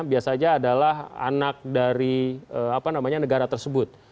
biasanya adalah anak dari negara tersebut